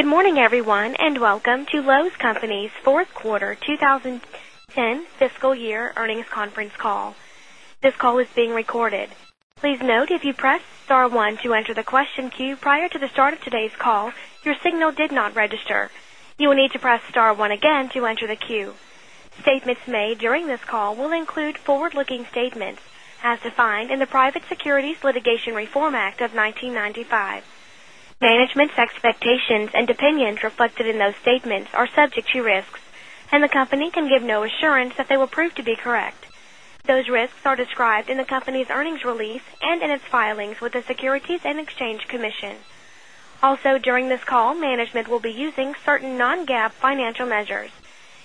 Good morning, everyone, and welcome to Loews Company's 4th Quarter 2010 Fiscal Year Earnings Conference Call. This call is being recorded. Statements made during this call will include forward looking statements as defined in the Private Securities Litigation Reform Act of 1995. Management's expectations and opinions reflected in those statements are subject to risks and the company can give no assurance that they will prove to be correct. Risks and the company can give no assurance that they will prove to be correct. Those risks are described in the company's earnings release and in its filings with the Securities and Exchange Commission. Also during this call, management will be using certain non GAAP financial measures.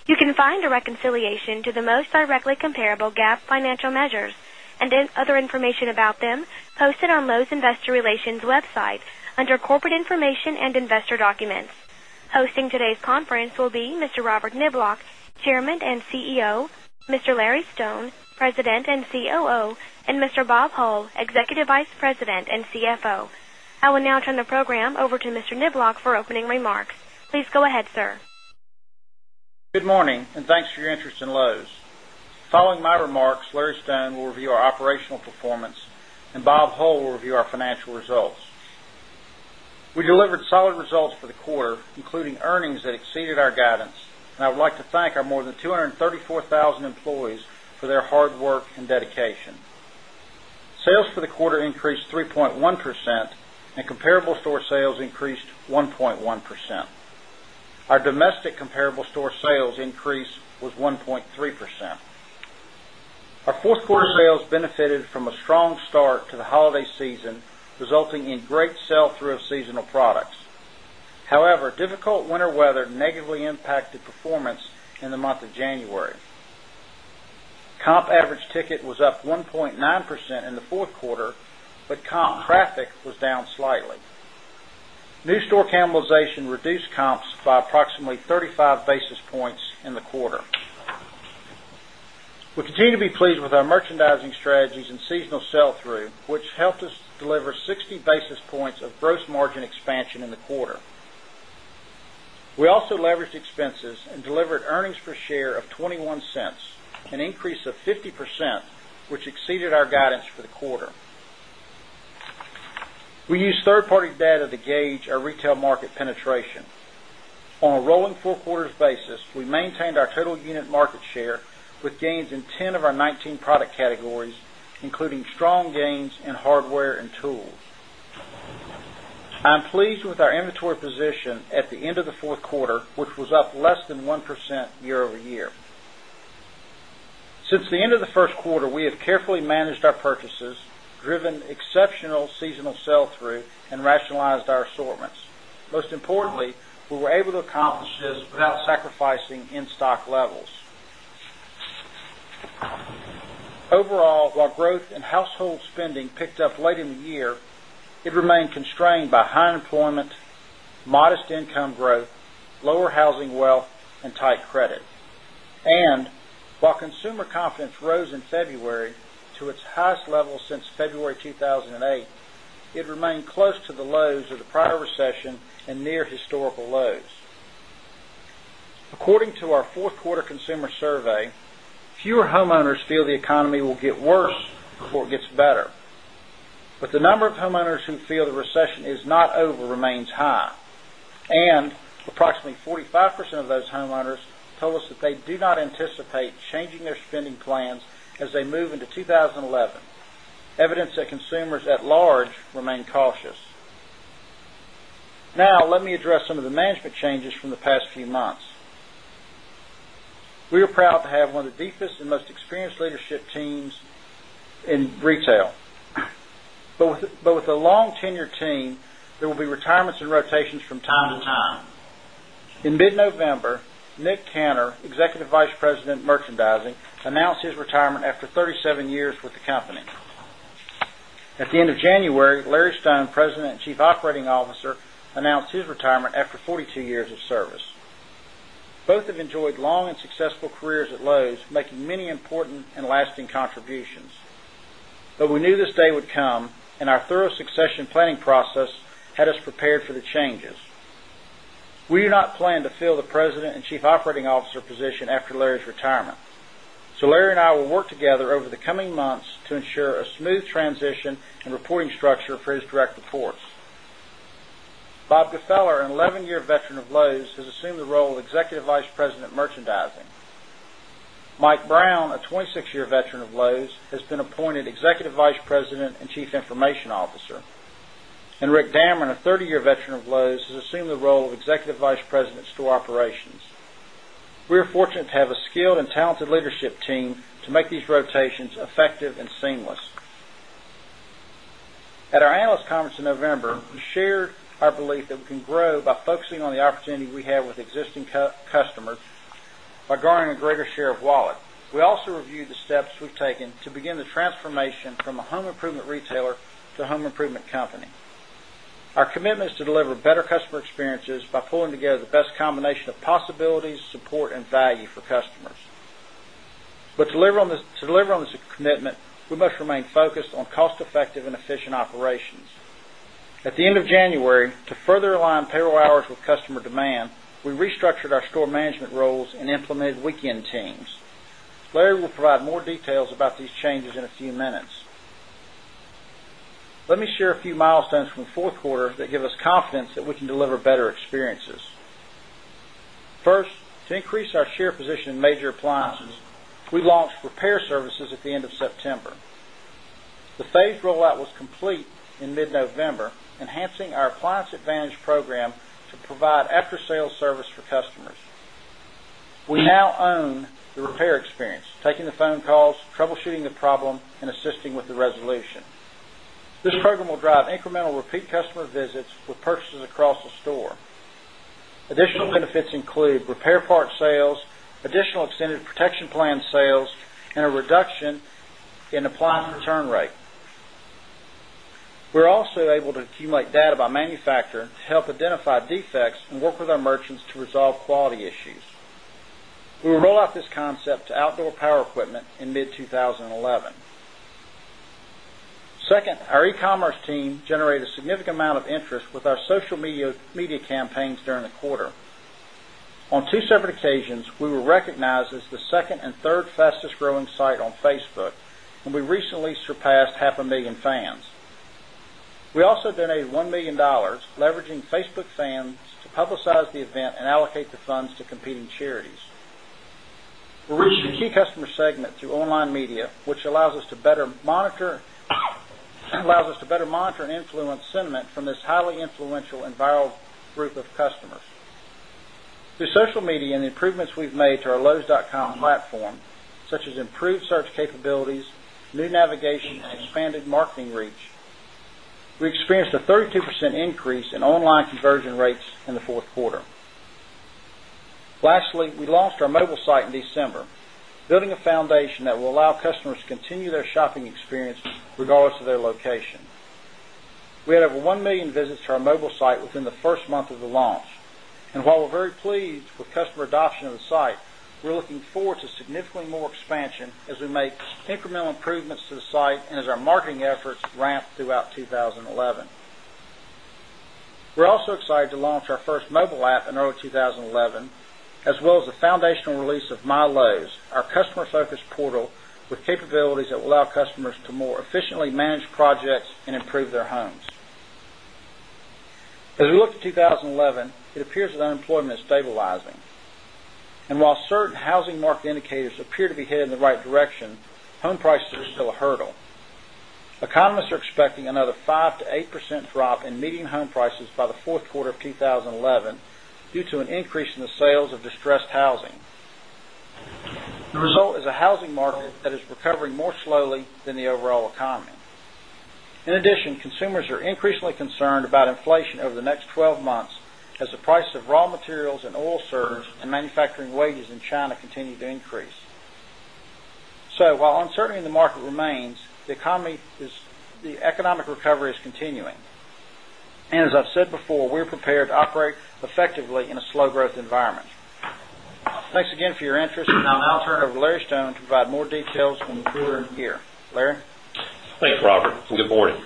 You can find a reconciliation to the most directly comparable GAAP financial measures and other information about them posted on Lowe's Investor Relations website under Corporate Information and Investor Documents. Hosting today's conference will be Mr. Robert Kniblock, Chairman and CEO Mr. Larry Stone, President and COO and Mr. Bob Hull, Executive Vice President and CFO. I will now turn the program over to Mr. Nibloc for opening remarks. Please go ahead, sir. Good morning, and thanks for your interest in Loews. Following my remarks, Larry Stone will review our operational performance and Bob Hull will review our financial results. We delivered solid results for the quarter, including earnings that exceeded our guidance. And I would like to our more than 234,000 employees for their hard work and dedication. Sales for the quarter increased 3.1% and comparable store sales increased 1.1%. Our domestic comparable store sales increase was 1.3%. Our 4th quarter sales benefited from a strong start to the holiday season, resulting in great sell through of seasonal products. However, difficult winter weather negatively impacted performance in the month of January. Comp average ticket was up 1.9% in the 4th quarter, but comp traffic was down slightly. New store cannibalization reduced comps by approximately 35 basis points in the quarter. We continue to be pleased with our merchandising strategies and seasonal sell through, which helped 60 basis points of gross margin expansion in the quarter. We also leveraged expenses and delivered earnings per share of $0.21 an increase of 50%, which exceeded our guidance for the quarter. We used 3rd party data to gauge our retail market penetration. On a rolling 4 quarters basis, we maintained our total unit market share with gains in 10 of our 19 product categories, including strong gains in hardware and tools. I'm pleased with our inventory position at the end of the 4th quarter, which was up less than 1% year over year. Since the end of the Q1, we have carefully managed our purchases, driven exceptional seasonal sell through and rationalized our assortments. Most importantly, we were able to accomplish this without sacrificing in stock levels. Overall, while growth in household spending picked up late in the year, it remained constrained by high unemployment, modest income growth, lower housing wealth and tight credit. And while consumer confidence rose in February to its highest level since February 2008, it remained close to the lows of the prior recession and near historical lows. According to our Q4 consumer survey, fewer homeowners feel the economy will get worse before it gets better. But the number of homeowners who feel the recession is not over remains high, and approximately 45% of those homeowners told us that they do not anticipate changing their spending plans as they move into 2011, evidence that consumers at large remain cautious. Now let me address some of the management changes from the past few months. We are proud to have one of the deepest and most experienced leadership teams in retail. But with a long tenured team, there will be retirements and rotations from time to time. In mid November, Nick Kanner, Executive Vice President, Merchandising, announced his retirement after 37 years with the company. At the end of January, Larry Stone, President and Chief Operating Officer, announced his retirement after 42 years of service. Both have enjoyed long and successful careers at Lowe's, making many important and lasting contributions. But we knew this day would come and our thorough succession planning process had us prepared for the changes. We do not plan to fill the President and Chief Operating Officer position after Larry's retirement. So Larry and I will work together over the coming months to ensure a smooth transition and reporting structure for his direct reports. Bob Gaffeller, an 11 year veteran of Loews, has assumed the role of Executive Vice President, Merchandising. Mike Brown, a 26 year veteran of Loews, has been appointed Executive Vice President and Chief Information Officer. And Rick Dammer, a 30 year veteran of Lowe's, has assumed the role of Executive Vice President Store Operations. We are fortunate to have a skilled and talented leadership team to make these rotations effective and seamless. At our analyst conference in November, we shared our belief that we can grow by focusing on the opportunity we have with existing customers by garnering a greater share of wallet. We also reviewed the steps we've taken to begin the transformation from a home improvement retailer to home improvement company. Our commitment is to deliver better customer experiences by pulling together the best combination of possibilities, support and value for customers. But to deliver on this commitment, we must remain focused on cost effective and efficient operations. At the end of January, to further align payroll hours with customer demand, we restructured our store management roles and implemented weekend teams. Larry will provide more details about these changes in a few minutes. Let me share a few milestones from Q4 that give us confidence that we can deliver better experiences. 1st, to increase our share position in major appliances, we launched repair services at the end of September. The phased rollout was complete in mid November, enhancing our appliance advantage program to provide after sales service for customers. We now own the repair experience, taking the phone calls, troubleshooting the problem and assisting with the resolution. This program will drive incremental repeat customer visits with purchases across the store. Additional benefits include repair part sales, additional extended protection plan sales and a reduction in applied return rate. We're also able to accumulate data by manufacturer to help identify defects and work with our merchants to resolve quality issues. We will roll out this concept to outdoor power equipment in mid-twenty 11. 2nd, our e commerce team generated significant amount of interest with our social media campaigns during the quarter. On 2 separate occasions, we were recognized as the 2nd and third fastest growing site on Facebook, and we recently surpassed 1,000,000 fans. We also donated $1,000,000 leveraging Facebook fans to publicize the event and allocate the funds to competing charities. We reached a key customer segment through online media, which allows us to better monitor and influence sentiment from this highly influential and viral group of customers. Through social media and the improvements we've made to our lowes.com platform, such as improved search capabilities, new navigation and expanded marketing reach. We experienced a 32% increase in online conversion rates in the Q4. Lastly, we launched our mobile site in December, building a foundation that will allow customers to continue their shopping experience regardless of their location. We had over 1,000,000 visits to our mobile site within the 1st month of the launch. And while we're very pleased with customer adoption of the site, we're looking forward to significantly more expansion as we make incremental improvements to the site and as our marketing efforts ramp throughout 2011. We're also excited to launch our first mobile app in early 2011 as well as the foundational release of MyLowe's, our customer focused portal with capabilities that allow customers to more efficiently manage projects and improve their homes. As we look to 2011, it appears that unemployment is stabilizing. And while certain housing market indicators appear to be headed in the right direction, home prices are still a hurdle. Economists are expecting another 5% to 8% drop in median home prices by the Q4 of 2011 due to an increase in the sales of distressed housing. The result is a housing market that is recovering more slowly than the overall economy. In addition, consumers are increasingly concerned about inflation over the next 12 months as the price of raw materials and oil surge and manufacturing wages in China continue to increase. So while uncertainty in the market remains, the economy is the economic recovery is continuing. And as I've said before, we're prepared to operate effectively in a slow growth environment. Thanks again for your interest, and I'll now turn it over to Larry Stone to provide more details on the brewer gear. Larry? Thanks, Robert, and good morning.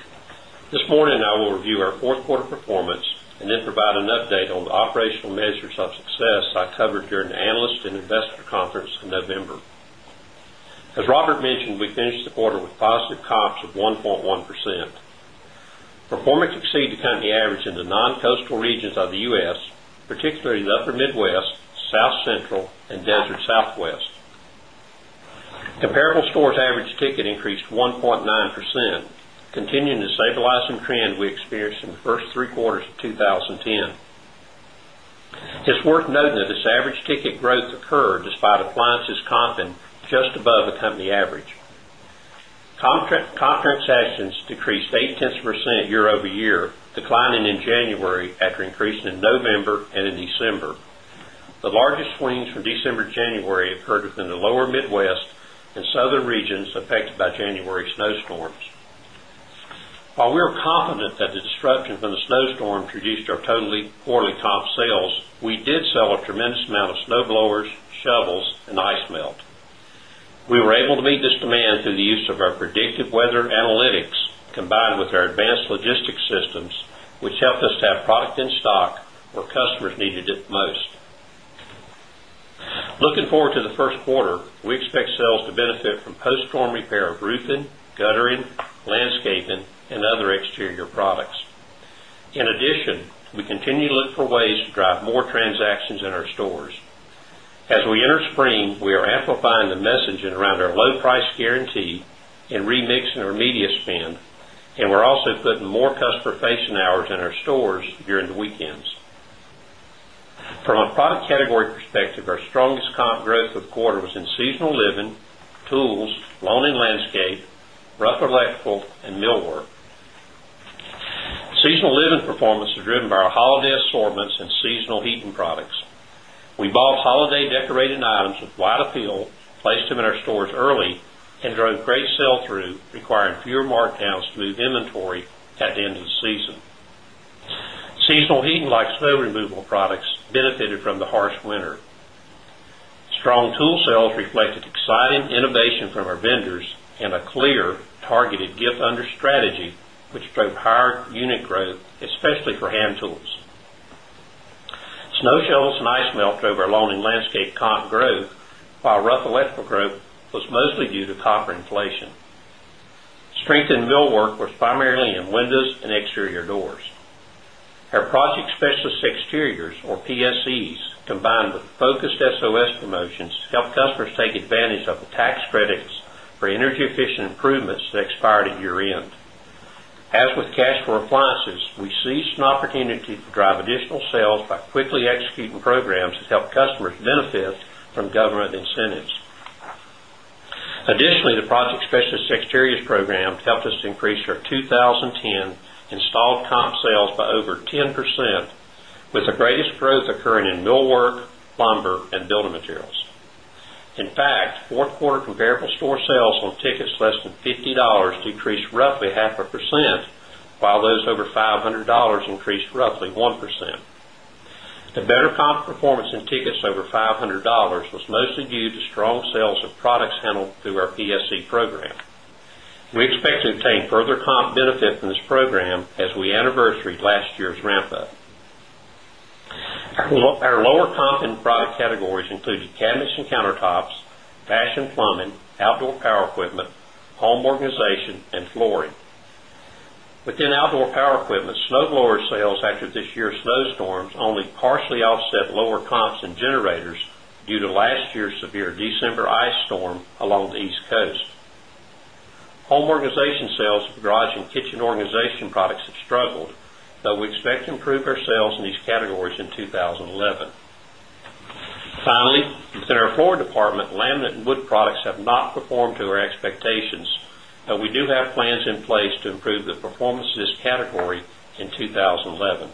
This morning, I will review our Q4 performance and then provide an update on the operational measures of success I covered during the Analyst and Investor Conference in November. As Robert mentioned, we finished the quarter with positive comps of 1.1%. Performance exceeded the company average in the non coastal regions of the U. S, particularly the upper Midwest, South Central and Desert Southwest. Comparable stores average ticket increased 1.9%, continuing to stabilize some trend we experienced in the 1st 3 quarters of 2010. It's worth noting that this average ticket growth occurred despite appliances comping just above the company average. Comp transactions decreased 0.8% year over year, declining in January after increasing in November and in December. The largest swings from December January occurred within the lower Midwest and Southern regions affected by January snowstorms. While we are confident that the disruption from the snowstorm produced our total quarterly comp sales, we did sell a tremendous amount of snow blowers, shovels and ice melt. We were able to meet this demand through the use of our predictive weather analytics combined with our advanced logistics systems, which helped us to product in stock where customers needed it most. Looking forward to the Q1, we expect sales to benefit from post storm repair of roofing, guttering, landscaping and other exterior products. In addition, we continue to look for ways to drive more transactions in our stores. As continue to look for ways to drive more transactions in our stores. As we enter spring, we are amplifying the messaging around our low price guarantee and remixing our media spend, and we're also putting more customer facing hours in our during the weekends. From a product category perspective, our strongest comp growth this quarter was in seasonal living, tools, lawn and landscape, rough electrical and millwork. Seasonal living performance was driven by holiday assortments and seasonal heating products. We bought holiday decorated items with wide appeal, placed them in our stores early and drove great sell through, requiring fewer markdowns to move inventory at the end of the season. Seasonal heating like snow removal products benefited from the harsh winter. Strong tool sales reflected exciting innovation from our vendors and a clear targeted gift under strategy, which drove higher unit growth, especially for hand tools. Snow shells and ice melt drove our lawn and landscape comp growth, while rough electrical growth was mostly due to copper inflation. The strength in millwork was primarily in windows and exterior doors. Our project specialist exteriors, or PSCs, combined with focused SOS promotions, help customers take advantage of the tax credits for energy efficient improvements that expired at year end. As with cash flow appliances, we see some opportunity to drive additional sales by quickly executing programs to help customers benefit from government incentives. Additionally, the Project Specialist Exteriors program helped us increase our 20 10 installed comp sales by over 10% with the greatest growth occurring in millwork, lumber and building materials. In fact, 4th quarter comparable store sales on tickets less than $50 decreased roughly 0.5 percent, while those over $500 increased roughly 1%. The better comp performance in tickets over $500 was mostly due to strong sales of products handled through our PSC program. We expect to obtain further comp benefit from this program as we anniversaried last year's ramp up. Our lower comp and product categories include cabinets and countertops, fashion plumbing, outdoor power equipment, home organization and flooring. Within outdoor power equipment, snow blower sales after this year's snowstorms only partially offset lower comps in generators due to last year's severe December ice storm along the East Coast. Home organization sales for garage and kitchen organization products have struggled, but we expect to improve our sales in these categories in 2011. Finally, within our floor department, laminate and wood products have not performed to our expectations, but we do have plans in place to improve the performance of this category in 2011.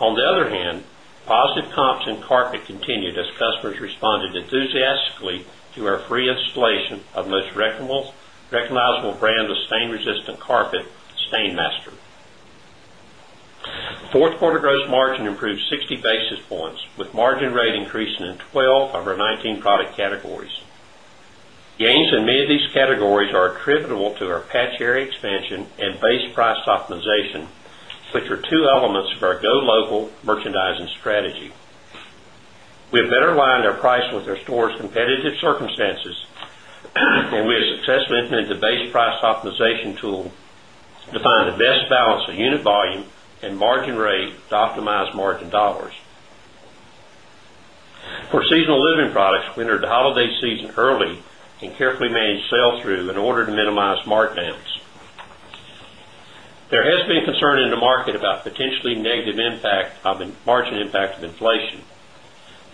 On the other hand, positive comps in carpet continued as customers responded enthusiastically to our free installation of most recognizable brand of stain resistant carpet, Stainmaster. 4th quarter gross margin improved 60 basis points with margin rate increasing in 12 of our 19 product categories. Gains in many of these categories are attributable to our Patch Area expansion and base price optimization, which are two elements of our go local merchandising strategy. We have better aligned our price with our stores' competitive circumstances, and we have successfully implemented the base price optimization tool to find the best balance of unit volume and margin rate to optimize margin dollars. For seasonal living products, we entered the holiday season early and carefully managed sell through in order to minimize markdowns. There has been concern in the market about potentially negative impact of margin impact of inflation.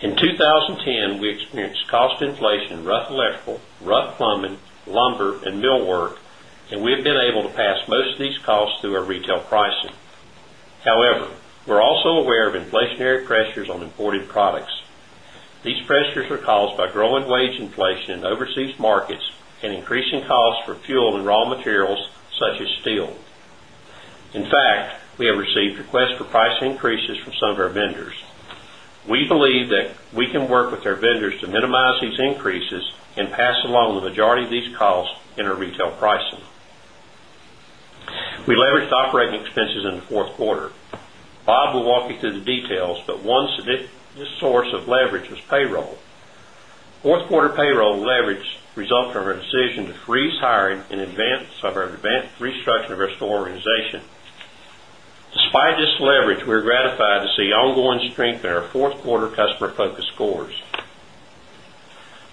In 2010, we experienced cost inflation, rough electrical, rough plumbing, lumber and millwork, and we have been able to pass most of these costs through our retail pricing. However, we're also aware of inflationary pressures on imported products. These pressures are caused by growing wage inflation in overseas markets and increasing costs for fuel and raw materials, such as steel. In fact, we have received requests for price increases from some of our vendors. We believe that we can work with our vendors to minimize these increases and pass along the majority of these costs in our retail pricing. We leveraged operating expenses in the 4th quarter. Bob will walk you through the details, but one specific source of leverage was payroll. 4th quarter payroll leverage resulted from our decision to freeze hiring in advance of our advanced restructuring of our store organization. Despite this leverage, we are gratified to see ongoing strength in our 4th quarter customer focused scores.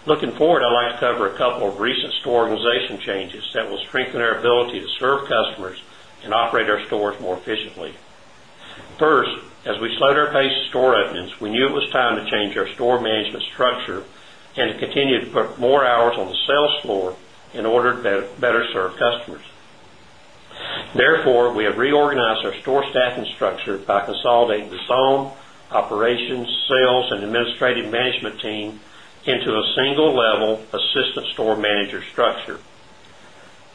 Looking forward, I'd like to cover a couple of recent store organization changes that will strengthen our ability to serve customers and operate our stores more efficiently. First, as we slowed our pace of store openings, we knew it was time to change our store management structure and continue to put more hours on the sales floor in order to better serve customers. Therefore, we have reorganized our store staffing structure by consolidating the zone, operations, sales and administrative management team into a single level assistant store manager structure.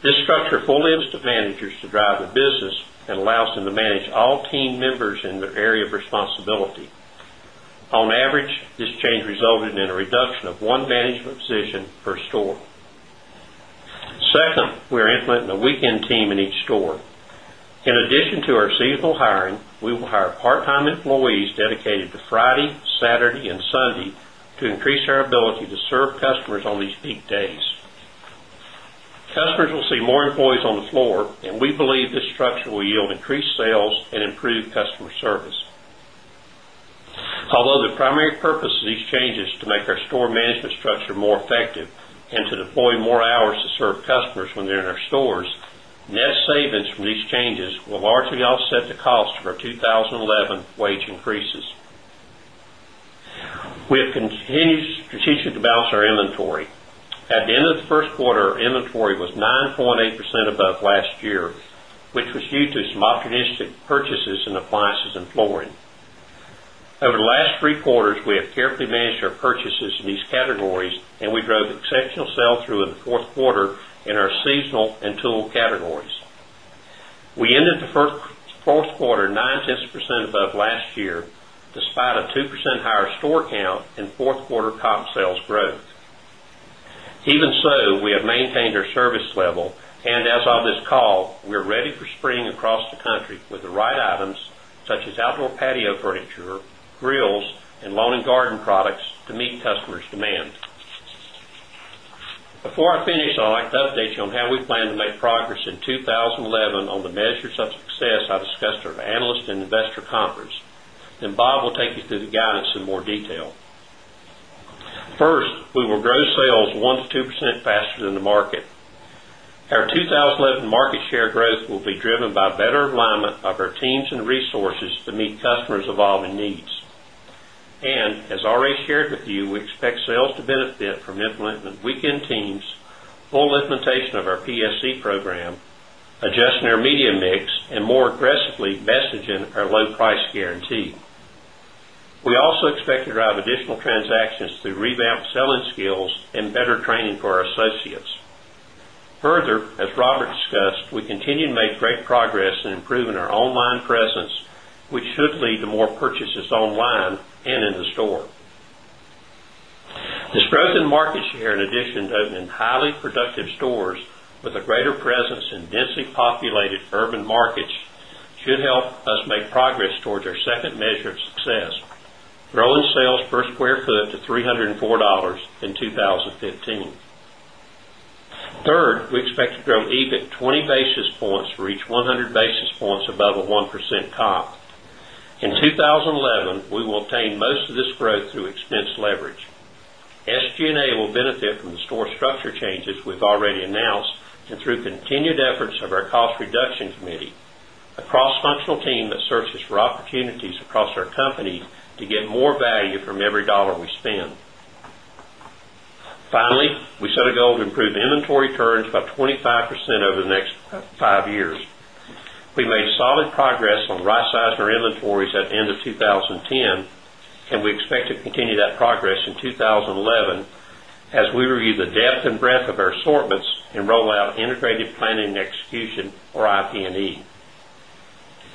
This structure full lives to managers to drive the business and allows them to manage all team members in their area of responsibility. On average, this change resulted in a reduction of one management position per store. 2nd, we are implementing a weekend team in each store. In addition to our seasonal hiring, we will hire part time employees dedicated to Friday, Saturday and Sunday to increase our ability to serve customers on these peak days. Customers will see more employees on the floor and we believe this structure will yield increased sales and improved customer service. Although the primary purpose of these changes to make our store management structure more effective and to deploy more hours to serve customers when they're in our stores, net savings from these changes will largely offset the cost for 2011 wage increases. We have continued strategically to balance our inventory. At the end of the first quarter, inventory was 9.8% above last year, which was due to some opportunistic purchases in appliances and flooring. Over the last three quarters, we have carefully managed our purchases in these categories and we drove exceptional sell through in the 4th quarter in our seasonal and tool categories. We ended the 4th quarter 0.9% above last year, despite a 2% higher store count in 4th quarter comp sales growth. Even so, we have maintained our service level and as of this call, we are ready for spring across the country with the right items, such as outdoor patio furniture, grills, and lawn and garden products to meet customers' demand. Before I finish, I'd like to update you on how we plan to make progress in 2011 on the measures of success I discussed at our Analyst and Investor Conference. Then Bob will take you through the guidance in more detail. First, we will grow sales 1% to 2% faster than the market. Our 2011 market share growth will be driven by better alignment of our teams and resources to meet customers' evolving needs. And as already shared with you, we expect sales to benefit from implementing weekend teams, full implementation of our PSC program, adjusting our media mix and more aggressively messaging our low price guarantee. We also expect to drive additional transactions through revamped selling skills and better training for our associates. Further, as Robert discussed, we continue to make great progress in improving our online presence, which should lead to more purchases online and in the store. This growth in market share in addition to opening highly productive stores with a greater presence in densely populated urban markets should help us make progress towards our second measure of success, growing sales per square foot to $304 in 20.15. 3rd, we expect to grow EBIT 20 basis points to reach 100 basis points above a 1% comp. In 2011, we will obtain most of this growth through expense leverage. SG and A will benefit from the store structure changes we've already announced and through continued efforts of our cost reduction committee, a cross functional team that searches for opportunities across our company to get more value from every dollar we spend. Finally, we set a goal to improve inventory turns by 25% over the next 5 years. We made solid progress on rightsizing our inventories at the end of 2010, and we expect to continue that progress in 2011 as we review the depth and breadth of our assortments and roll out integrated planning and execution or IP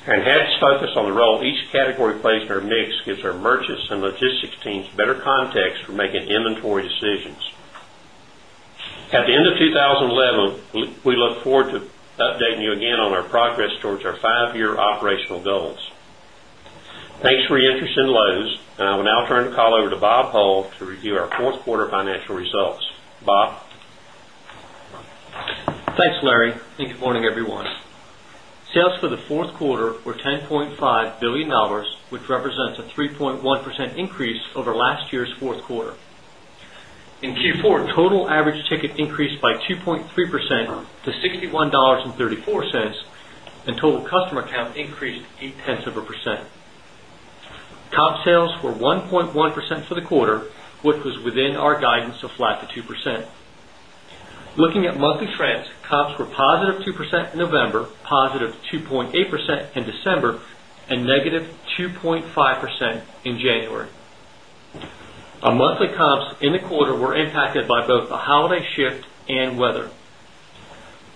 and E. Our enhanced focus on the role each category plays in our mix gives our merchants and logistics teams better context for making inventory decisions. At the end of 2011, we look forward to updating you again on our progress towards our 5 year operational goals. Thanks for your interest in Loews. And I will now turn the call over to Bob Hohl to review our Q4 financial results. Bob? Thanks, Larry, and good morning, everyone. Sales the Q4 were $10,500,000,000 which represents a 3.1% increase over last year's Q4. In Q4, total average ticket increased by 2.3% to $61.34 and total customer count increased 0.8 percent. Comp sales were 1.1% for the quarter, which was within our guidance of flat to 2%. Looking at monthly trends, comps were positive percent in November, positive 2.8% in December and negative 2.5% in January. Our monthly comps in the quarter were impacted by both the holiday shift and weather.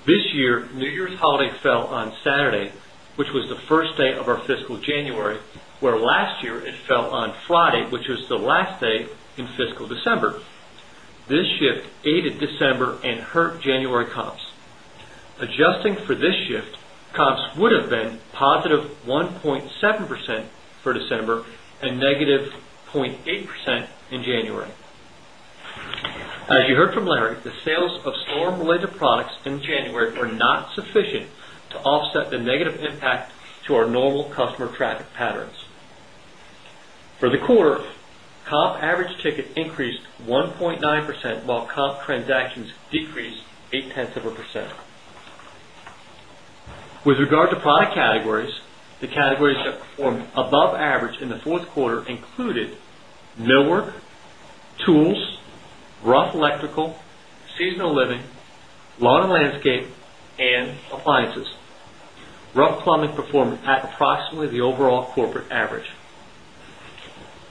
This year, New Year's holiday fell on Saturday, which was the 1st day of our fiscal January, where last year it fell on Friday, which is the last day in fiscal December. This shift aided December and January comps. Adjusting for this shift, comps would have been positive 1.7% for December and negative 0.8% in January. As you heard from Larry, the sales of storm related products in January were not sufficient to offset the negative impact to our normal customer traffic patterns. For the quarter, comp average ticket increased 1.9%, while comp transactions decreased 0.8 percent. With regard to product categories, the categories that performed above average in the 4th quarter included millwork, tools, rough electrical, seasonal living, lawn and landscape and appliances. Rough Plumbing performed at approximately the overall corporate average.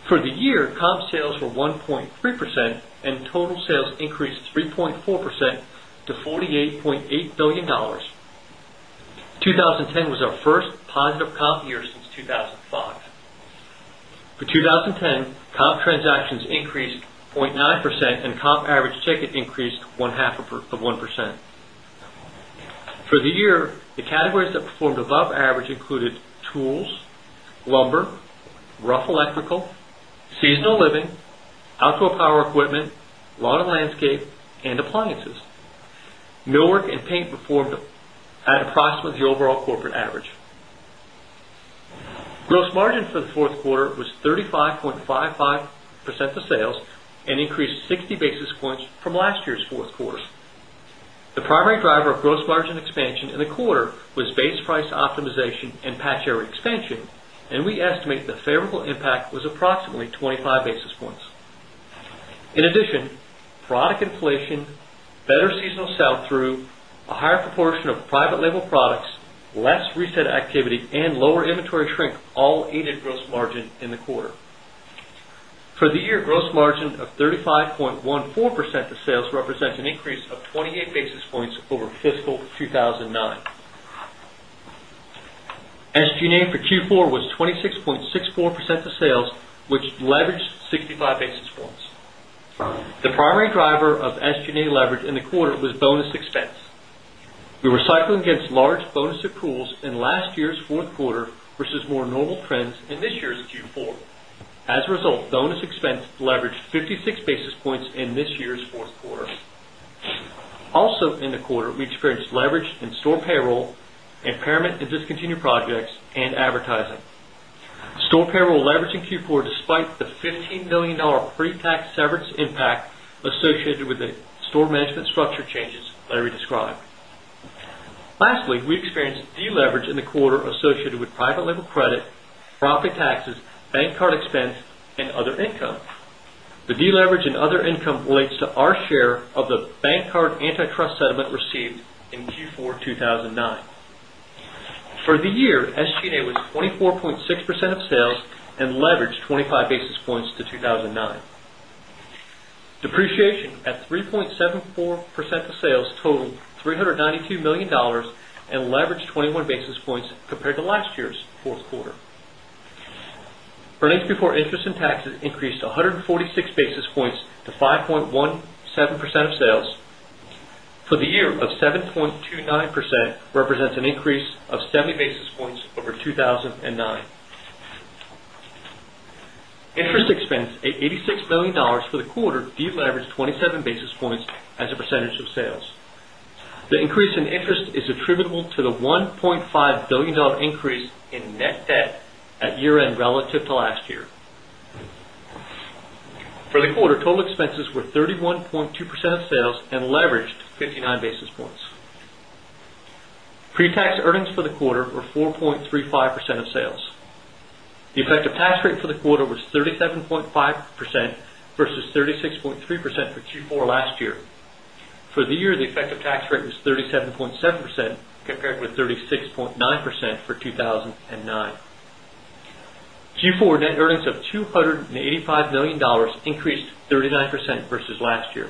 For the year, comp sales were 1.3% and total sales increased 3.4% to $48,800,000,000 2010 was our 1st positive comp year since 2,005. For 2010, comp transactions increased 0.9% and comp average ticket increased 1 half of 1%. For the year, the categories that performed above average included tools, lumber, rough electrical, seasonal living, outdoor power equipment, lawn and landscape and appliances. Millwork and paint performed at the overall corporate average. Gross margin for the Q4 was 35.55 percent of sales and increased 60 basis points from last year's 4th quarter. The primary driver of gross margin expansion in the quarter was base price optimization and patch area expansion and we estimate the favorable impact was approximately 25 basis points. In addition, product inflation, better seasonal sell through, a higher proportion of private label products, less reset activity and lower inventory shrink all aided gross margin in the quarter. For the year, gross margin of 35.14 percent of sales represents an increase of 28 basis points over fiscal 2,009. SG and A for Q4 was 26.64 percent of sales, which leveraged 65 basis points. The primary driver of SG and A leverage in the quarter was bonus expense. We were cycling against large bonus accruals in last year's Q4 versus more normal trends in this year's Q4. As a result, bonus expense leverage 56 basis points in this year's Q4. Also in the quarter, we experienced leverage in store payroll, impairment and discontinued projects Store payroll leverage in Q4 despite the $15,000,000 pre tax severance impact associated with the store management structure changes Larry described. Lastly, we experienced deleverage in the quarter associated with private credit, profit taxes, bank card expense and other income. The deleverage and other income relates to our share of the bank card antitrust settlement received in Q4, 2009. For the year, SG and A was 24.6 percent of sales and leverage 25 basis points to 2,009. Depreciation at 3.74 percent of sales totaled $392,000,000 and leverage 21 basis points compared to last year's Q4. Earnings before interest and taxes increased 146 basis points to 5.17 percent of sales. For the year of 7 0.29% represents an increase of 70 basis points over 2,009. Interest expense at $86,000,000 for the quarter deleveraged 27 basis points as a percentage of sales. The increase in interest is attributable to the $1,500,000,000 increase in net debt at year end relative to last year. For the quarter, total expenses were 31.2 percent of sales and leveraged 59 basis points. Pre tax earnings for the quarter were 4.35 percent of sales. The effective tax rate for the quarter was 37.5% versus 36.3% for Q4 last year. For year, the effective tax rate was 37.7 percent compared with 36.9 percent for 2,009. Q4 net earnings of $285,000,000 increased 39% versus last year.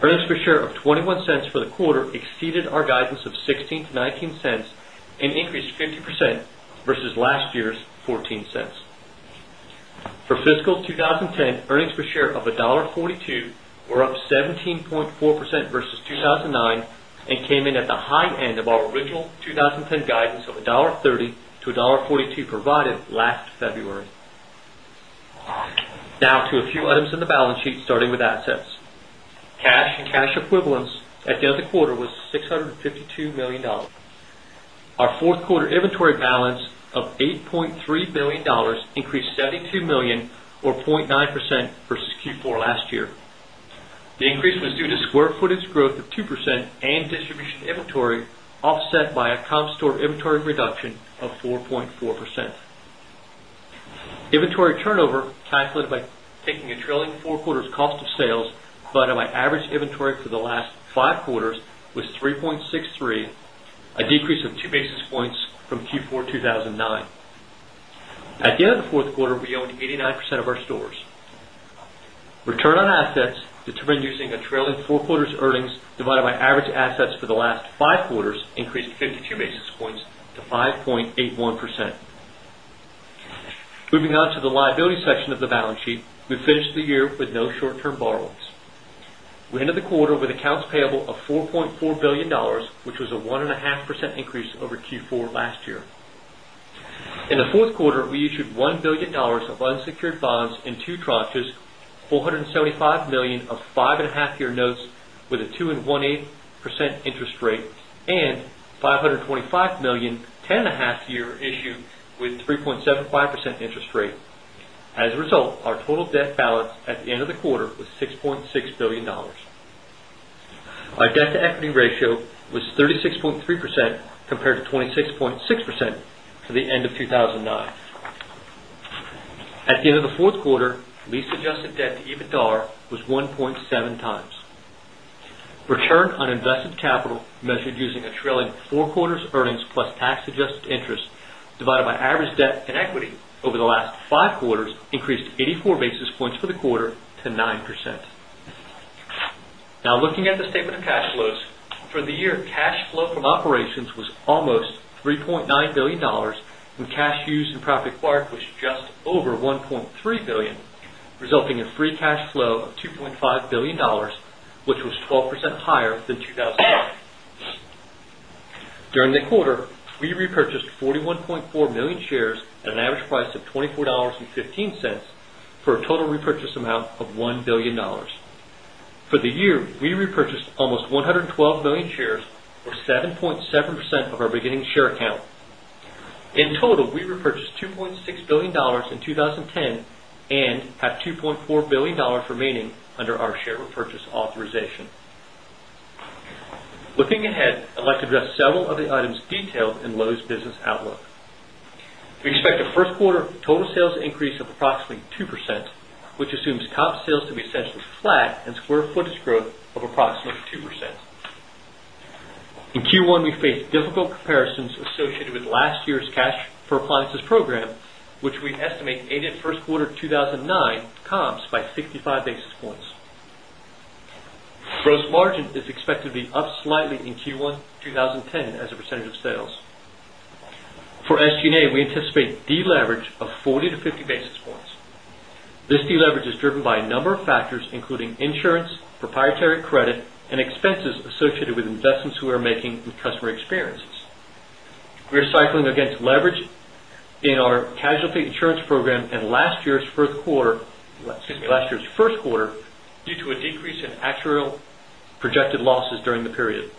Earnings per share of $0.21 for the quarter exceeded our guidance of $0.16 to $0.19 and increased 50% versus last year's $0.14 For fiscal 20 10, earnings per share of $1.42 were up 17.4% versus 2,009 and came in at the high end of our original 20.10 guidance of $1.30 to $1.42 provided last February. Now to a few items in the balance sheet starting with assets. Cash and cash equivalents at the end of the quarter was $652,000,000 Our 4th quarter inventory balance of $8,300,000,000 increased $72,000,000 or 0.9 percent versus Q4 last year. The increase was due to square footage growth of 2% and distribution inventory offset by a comp store inventory reduction of 4.4%. Inventory turnover calculated by taking a trailing 4 quarters cost of sales, but our average inventory for the last 5 quarters was 3.63, a decrease of 2 basis points from Q4, 2,009. At the end of the 4th quarter, we owned 89 80 9% of our stores. Return on assets determined using a trailing 4 quarters earnings divided by average assets for the last 5 quarters increased 52 basis points to 5.81%. Moving on to the the liability section of the balance sheet, we finished the year with no short term borrowings. We ended the quarter with accounts payable of $4,400,000,000 which was a 1.5% increase over Q4 last year. In the Q4, we issued $1,000,000,000 of unsecured bonds in 2 tranches, dollars 475,000,000 of 5.5 year notes with a 2.18 percent interest rate and $525,000,000 10.5 year issue with 3.75 percent interest rate. As a result, our total debt balance at the end of the quarter was $6,600,000,000 Our debt to equity ratio was 36.3% compared to 26.6% for the end of 2,009. At the end of the Q4, lease adjusted debt to EBITDAR was 1.7 times. Return on invested capital measured using a trailing 4 quarters earnings plus tax adjusted interest divided by average debt and equity over the last 5 quarters increased 84 basis points for the quarter to 9%. Now looking at the statement of cash flows. For the year, cash flow from operations was almost $3,900,000,000 used in profit acquired was just over $1,300,000,000 resulting in free cash flow of $2,500,000,000 which was 12% higher than 41,400,000 shares at an average price of $24.15 for a total repurchase amount of $1,000,000,000 For the year, we repurchased almost 112,000,000 shares or 7.7 of our beginning share count. In total, we repurchased $2,600,000,000 in 2010 and have $2,400,000,000 remaining under our share repurchase authorization. Looking ahead, I'd like to address several of the items detailed in Lowe's business outlook. We expect the Q1 total sales increase of approximately 2%, which assumes comp sales to be essentially flat and square footage growth of approximately 2%. In Q1, we faced difficult comparisons associated with last year's cash for appliances program, which we associated with last year's cash for appliances program, which we estimate aided Q1 2019 comps by 65 basis points. Gross margin is expected to be up slightly in Q1 twenty 10 as a percentage of sales. For SG and A, we anticipate deleverage of 40 to 50 basis points. This deleverage is driven by a number of factors, including insurance, proprietary credit and expenses associated with investments we are making in customer experiences. We are cycling against leverage in our casualty insurance program in last year's Q1 due to a decrease in actuarial projected losses during the period.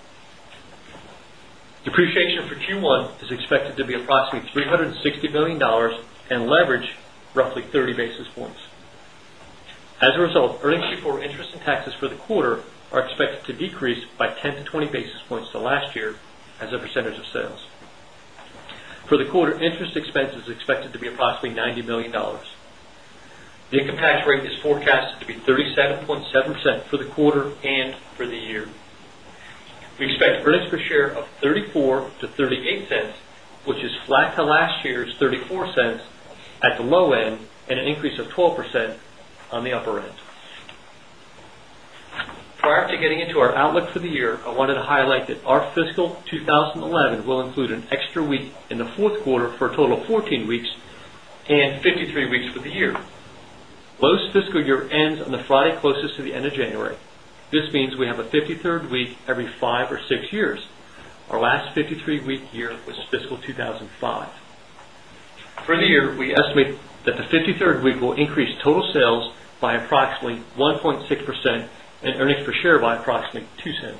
Depreciation for Q1 is expected to be approximately $360,000,000 and leverage roughly 30 basis points. As a result, earnings before interest and taxes for the quarter are expected to decrease by 10 to 20 basis points to last year as a percentage of sales. For the quarter, interest expense is expected to be approximately $90,000,000 The income tax rate is forecasted to be 37.7 percent for the quarter and for the year. We expect earnings per share of $0.34 to $0.38 which is flat to last year's $0.34 at the low end and an increase of 12% on the upper end. Prior to getting into our outlook for the year, I wanted to highlight that our fiscal 2011 will include an extra week in the Q4 for a total 14 weeks 53 weeks for the year. Lowe's fiscal year Lowe's fiscal year end on the Friday closest to the end of January. This means we have a 53rd week every 5 or 6 years. Our last 53 week year was fiscal 2,005. For the year, we estimate that the 53rd week will increase total sales by approximately 1.6% and earnings per share by approximately $0.02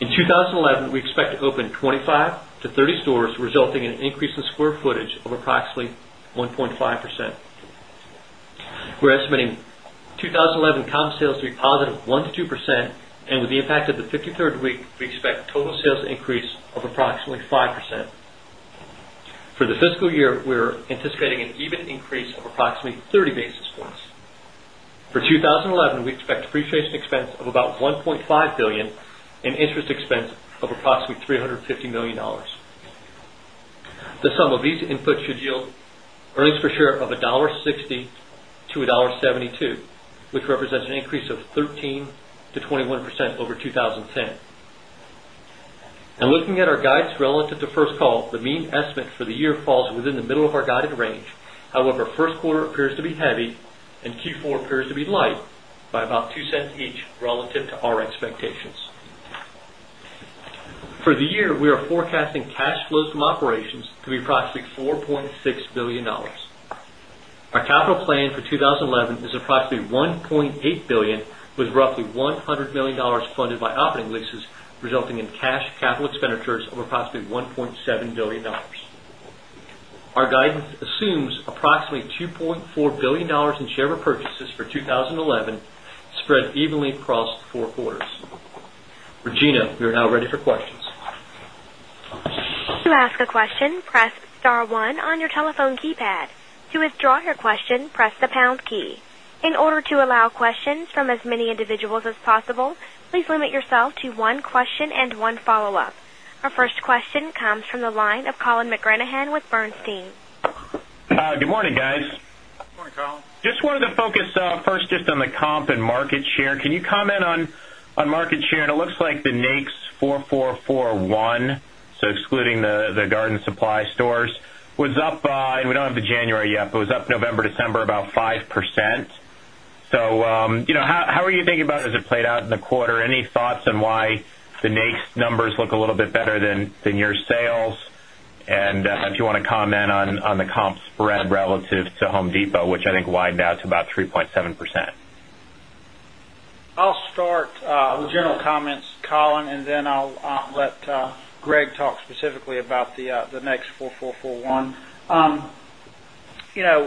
In 2011, we expect to open 25 to 30 stores resulting in an increase in square footage of approximately 1.5%. We're estimating 2011 comp sales to be positive 1% to 2% and with the impact of the 53rd week, we expect total sales increase of approximately 5%. For the fiscal year, we're anticipating an EBITDA increase of approximately 30 basis points. For 2011, we expect depreciation expense of about $1,500,000,000 and interest expense of approximately $350,000,000 The sum of these inputs should yield earnings per share of $1.60 to $1.72 which represent an increase of 13% to 21% over 20.10. And looking at our guidance relative to first call, the mean estimate for the year falls within the middle of our guided range. However, Q1 appears to be heavy and Q4 appears to be light by about $0.02 each relative to our expectations. For the year, we are forecasting cash flows from operations to be approximately $4,600,000,000 Our capital plan for 20 11 is approximately $1,800,000,000 with roughly $100,000,000 funded by operating leases, resulting in cash capital expenditures of approximately $1,700,000,000 Our guidance assumes Our first question comes from the line of Colin McGranahan with Bernstein. Good morning, guys. Good morning, Collin. Just wanted to focus first just on the comp and market share. Can you comment on market share? And it looks like the NAICS 4,441, so excluding the Garden Supply stores was up and we don't have the January yet, but it was up November, December about 5%. So how are you thinking about as it played out in the quarter? Any thoughts on why the NACE numbers look a little bit better than your sales and if you want to comment on the comp spread relative to Home Depot which I think widened out to about 3.7%. I'll start with general comments, Colin, and then I'll let Greg talk specifically about the NEX 4441.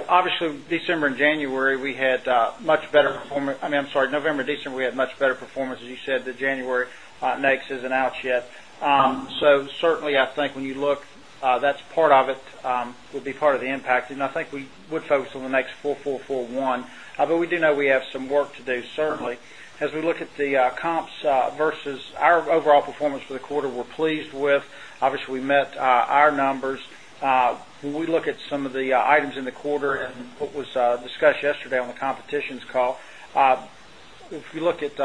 Obviously, December January, we had much better performance I mean, I'm sorry, November December, we had much better performance. As you said, the January isn't out yet. So certainly, I think when you look, that's part of it, would be part of the impact. And I think we would focus on the next 4,441, but we do know we have some work to do certainly. As we look at the comps versus our overall performance for the quarter, we're pleased with. Obviously, we met our numbers. When we look at some of the items in the quarter and what was discussed yesterday on the competition's call, if we look at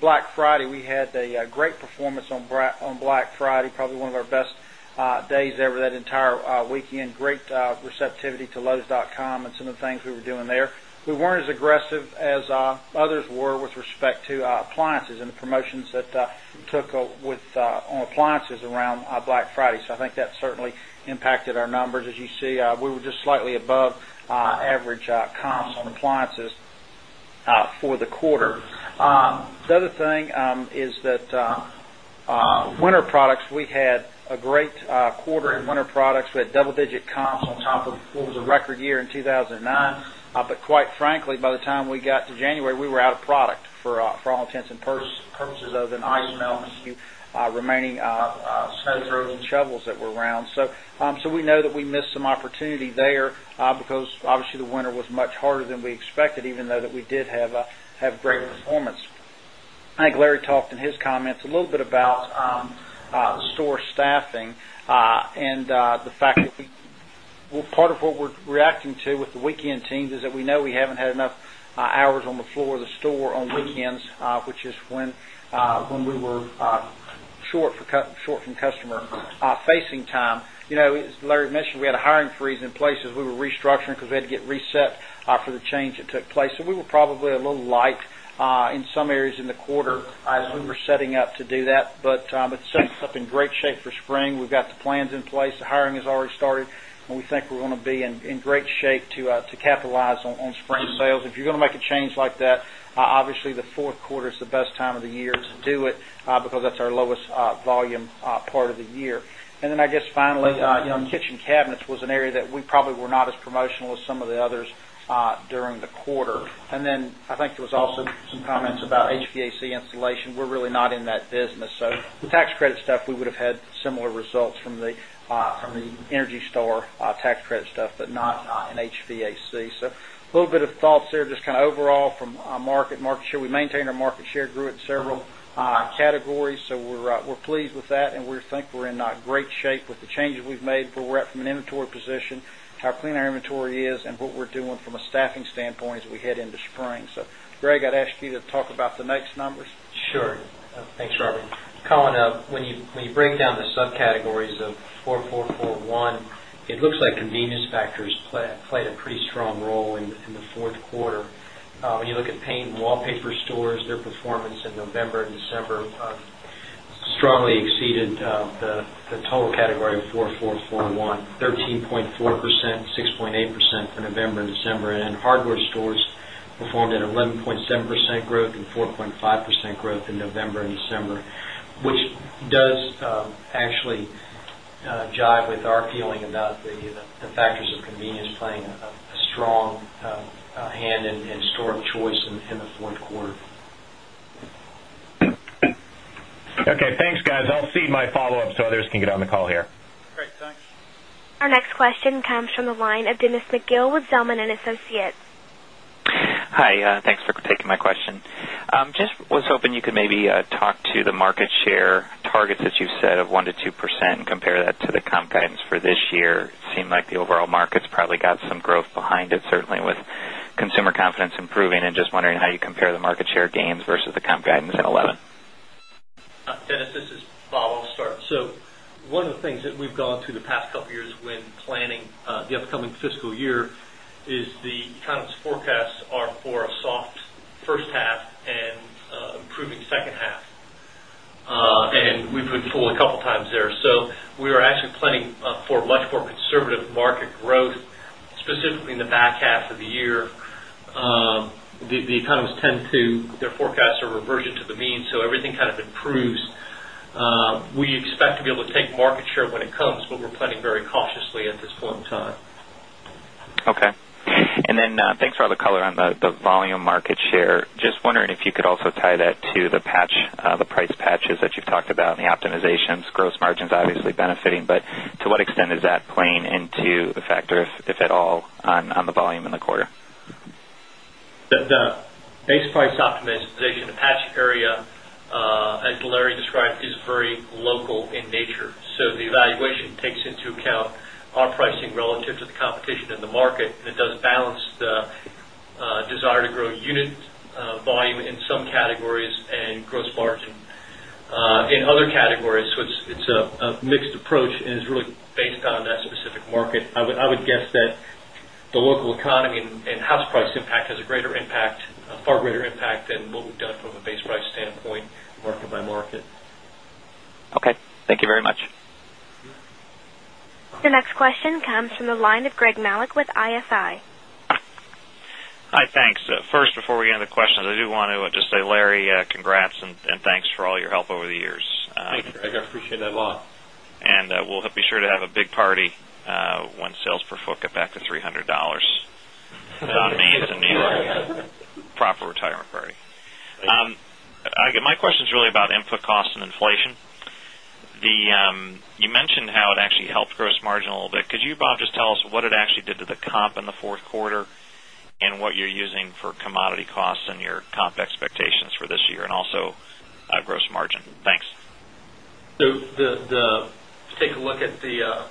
Black Friday, we had a great performance on Black Friday, probably one of our best days ever that entire weekend, great receptivity to lowes.com and some of the things we were doing there. We weren't as aggressive as others were with respect to appliances and promotions that took with on appliances around Black Friday. So I think that certainly impacted our numbers. As you see, we were just slightly above average comps on appliances for the quarter. The other thing is that winter products, we had a great quarter in winter products with double digit comps on top of what was a record year in 2,009, but quite frankly, by the time we got to January, we were out of product for all intents and purposes other than ice melt and the few remaining snow drills and shovels that were around. So we know that we missed some opportunity there because obviously the winter was much harder than we expected even though that we did have great performance. I think Larry talked in his comments a little bit about store staffing and the fact that we part of what we're reacting to with the weekend teams is that we know we haven't had enough hours on the floor of the store on weekends, which is when we were short from customer facing time. As Larry mentioned, we had a hiring freeze in places. We were restructuring because we had to get reset for the change that took place. So we were probably a little light in some areas in the quarter as we were setting up to do that, but it sets up in great shape for spring. We've got the plans in place. The hiring has already started and we think we're going to be in great shape to capitalize on spring sales. If you're going to make a change like that, obviously, the Q4 is the best time of the year to do it because that's our lowest volume part of the year. And then I guess finally, kitchen cabinets was an area that we probably were not as promotional as some of the others during the quarter. And then I think there was also some comments about HVAC installation. We're really not in that business. So tax credit stuff, we would have had similar results from the Energy Star tax credit stuff, but not in HVAC. So a little bit of thoughts there just kind of overall from market share. We maintained our market share, grew at several categories. So we're pleased with that and we think we're in great shape with the changes we've made for rep from an inventory position, how clean our inventory is and what we're doing from a staffing standpoint as we head into spring. So Greg, I'd ask you to talk about the next numbers. Sure. Thanks, Robert. Colin, when you break down the subcategories of 4,441, it looks like convenience factors played a pretty strong role in the Q4. When you look at paint and wallpaper stores, their performance in November December strongly exceeded the total category of 4,441, 13.4%, 6.8% for 0.8% for November December and hardware stores performed at 11.7% growth and 4.5% growth in November December, which does actually jive with our feeling about the factors of convenience playing a strong hand in store of choice in the Q4. Okay. Thanks, guys. I'll cede my follow-up so others can get on the call here. Great. Thanks. Our next question comes from the line of Dennis McGill with Zelman and Associates. Hi. Thanks for taking my question. Just was hoping you could maybe talk to the market share targets that you've set of 1% to 2% and compare that to the comp guidance for this year. It seemed like the overall markets probably got some growth behind it certainly with consumer confidence improving and just wondering how you compare the market share gains versus the guidance in 2011? Dennis, this is Bob. I'll start. So, one of the things that we've gone through the past couple of years when planning the upcoming fiscal year is the comments forecasts are for a soft first half and improving second half. And we've been full a couple of times there. So, we are actually planning for much more conservative market growth, specifically in the back half of the year. The economies tend to their forecasts are reversion to the mean, so everything kind of improves. We expect to be able to take market share when it comes, but we're planning very cautiously at this point in time. Okay. And then thanks for all the color on the volume market share. Just wondering if you could also tie that to the patch, the price patches that you've talked about and the optimizations gross margins obviously benefiting, but to what extent is that playing into the factors, if at all, on the volume in the quarter? The base price optimization in the Patch area, as Larry described, is very local in nature. So, the evaluation takes into account our pricing relative to the competition in the market. It does balance the desire to grow unit volume in some categories and gross margin in other categories. So, it's a mixed approach and it's really based on that specific market. I would guess that the local economy and house price impact has a greater impact, a far greater impact than what we've done from a base price standpoint market by market. Okay. Thank you very much. The next question comes from the line of Greg Malek with IFI. Hi, thanks. First before we end the question, I do want to just say, Larry, congrats and thanks for all your help over the years. Thanks, Greg. I appreciate that a lot. And we'll be sure to have a big party when sales per foot get back to $300 on May as a new proper retirement party. My question is really about input costs and inflation. You mentioned how it actually helped gross margin a little bit. Could you, Bob, just tell us what it actually did to the comp in the Q4 and what you're using for commodity costs and your comp expectations for this year and also gross margin? Thanks. So, the take a look at the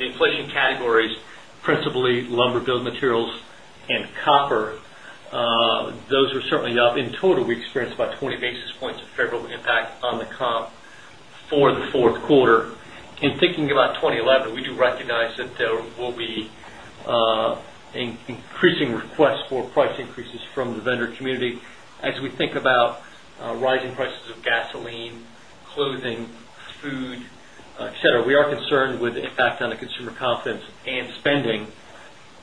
inflation categories, principally lumber build materials and copper, those are certainly up. In total, we experienced about 20 basis points of favorable impact on the comp for the Q4. And thinking about 2011, we do recognize that there will be increasing requests for price increases from the vendor community as we think about rising prices of gasoline, clothing, food, etcetera, we are concerned with the impact on the consumer confidence and spending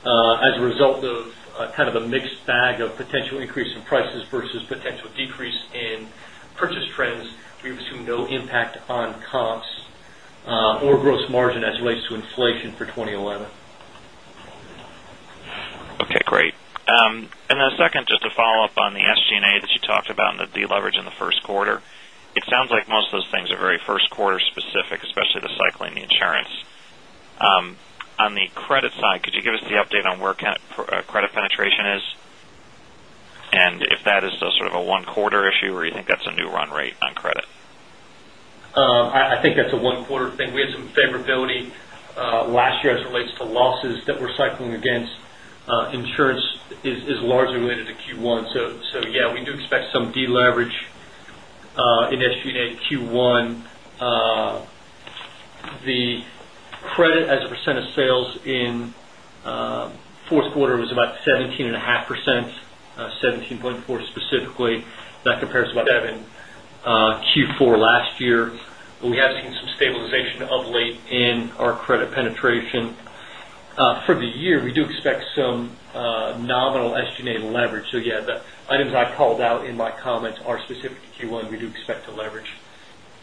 as a result of kind of a mixed bag of potential increase in prices versus potential decrease in purchase trends. We assume no impact on comps or gross margin as it relates to inflation for 2011. Okay, great. And then second, just a follow-up on the SG and A that you talked about and the deleverage in the Q1. It sounds like most of those things are very Q1 specific, especially the cycle and the insurance. On the credit side, could you give us the update on where credit penetration is? And if that is still sort of a 1 quarter issue or you think that's a new run rate on credit? I think that's a 1 quarter thing. We had some favorability last year as it relates to losses that we're cycling against insurance is largely related to Q1. So, yes, we do expect some deleverage in SG and A in Q1. The credit as a percent of sales in Q4 was about 17 point 5%, 17.4% specifically that compares to 7% Q4 last year. We have seen some stabilization of late in our credit penetration. For the year, we do expect some nominal SG and A leverage. So yes, the items I called out in my comments are specific to Q1. We do expect to leverage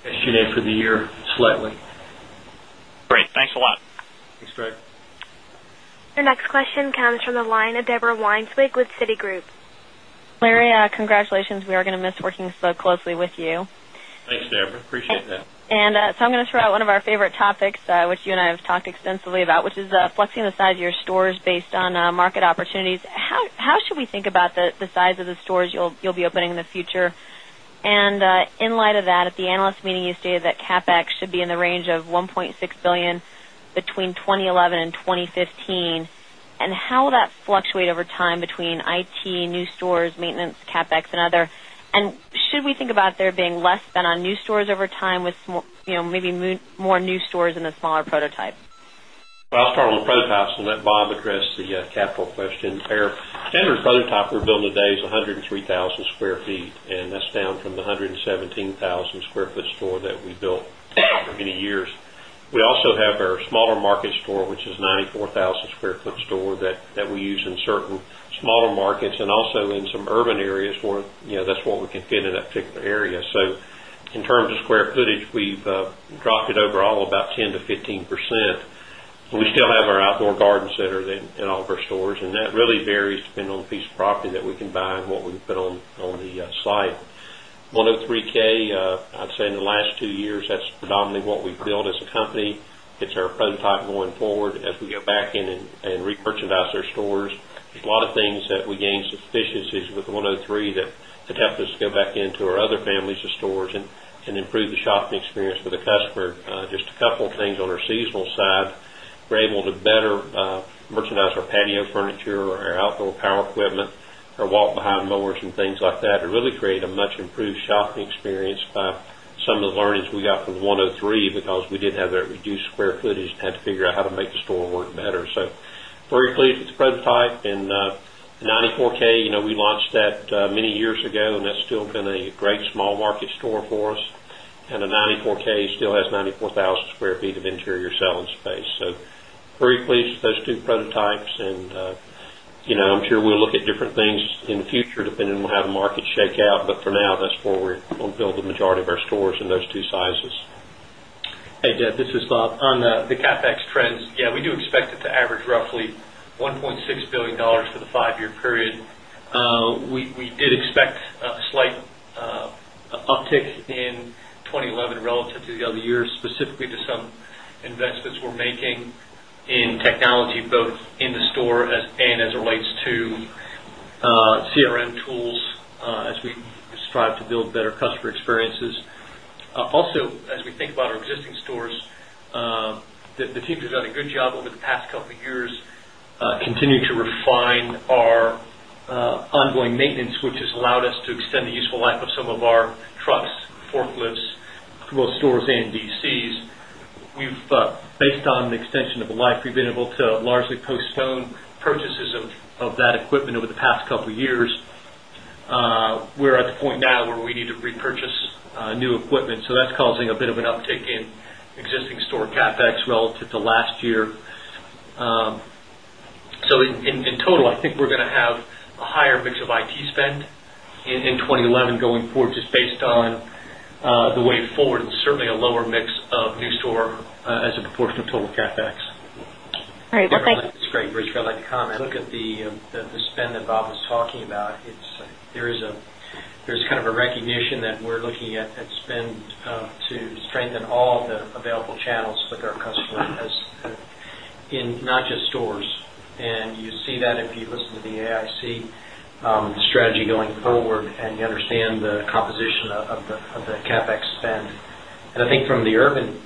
SG and A for the year slightly. Great. Thanks a lot. Thanks, Greg. Your next question comes from the line of Deborah Weinstein with Citigroup. Larry, congratulations. We are going to miss working so closely with you. Thanks, Deborah. Appreciate that. And so I'm going to throw out one of our favorite topics, which you and I have talked extensively about, which is flexing the size of your stores based on market opportunities. How should we think about the size of the stores you'll be opening in the future? And in light of that, at the Analyst Meeting, you stated that CapEx should be in the range of $1,600,000,000 between 20 11 and 20 15. And how will that fluctuate over time between IT, new stores, maintenance, CapEx and other? And should we think about there being less than on new stores over time with maybe more new stores in the smaller prototype? I'll start on the prototypes and let Bob address the capital question there. Standard prototype we're building today is 103,000 square feet and that's down from the 117,000 square foot store that we built for many years. We also have our smaller market store, which is 94,000 square foot store that we use in certain smaller markets and also in some urban areas where that's what we can fit in that particular area. So in terms of square footage, we've dropped it overall about 10% to 15%. We still have our outdoor garden centers in all of our stores and that really varies depending on the piece of property that we can buy and what we've put on the site. 103 ks, I'd say in the last 2 years, that's predominantly what we've built as a company. It's our prototype going forward as we go back in and repurchandize our stores. There's a lot of things that we gained sufficiencies with 103 that could help us go back into our other families of stores and improve the shopping experience for the customer. Just a couple of things on our seasonal side, we're able to better merchandise our patio furniture or our outdoor power equipment or walk behind mowers and things like that. It really create a much improved shopping experience by some of the learnings we got from 103 because we did have that reduced square footage and had to figure out how to make the store work better. So very pleased with the prototype and 94 ks, we launched that many years ago and that's still been a great small market store for us. And the 94 ks still has 94,000 square feet of interior selling space. So very pleased with those 2 prototypes and I'm sure we'll look at different things in the future depending on how the market shake out, but for now that's where we're going to build the majority of our stores in those two sizes. Hey, Deb, this is Bob. On the CapEx trends, yes, we do expect it to average roughly $1,600,000,000 for the 5 year period. We did expect a slight uptick in 2011 relative to the other year, specifically to some investments we're making in technology, both in the store and as it relates to CRM tools as we strive to build better customer experiences. Also, as we think about our existing stores, the teams have done a good job over the past couple of years, continue to refine our ongoing maintenance, which has allowed us to extend the useful life of some of our trucks, forklifts, both stores and DCs. We've based on the extension of the life, we've been able to largely postpone purchases of that equipment over the past couple of years. We're at the point now where we need to repurchase new equipment. So that's causing a bit of an uptick in existing store CapEx relative to last year. So in total, I think we're going to have a higher mix of IT spend in 2011 going forward just based on the way forward and certainly a lower mix of new store as a proportion of total CapEx. Great. It's great, Rich. I'd like to comment. Look at the spend that Bob was talking about, it's there is kind of a recognition that we're looking at spend to strengthen all the available channels with our customers in not just stores. And you see that if you listen to the AIC strategy going forward and you understand the composition of the CapEx spend. And I think from the urban